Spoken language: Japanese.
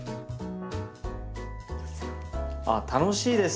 あっ楽しいです。